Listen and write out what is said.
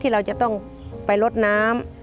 เราจะต้องไปลดน้ำ